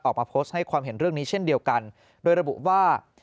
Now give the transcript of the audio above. ออกมาโพสต์ให้ความเห็นเรื่องนี้เช่นเดียวกันโดยระบุว่า